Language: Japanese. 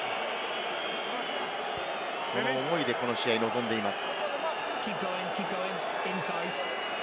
その思いでこの試合に臨んでいます。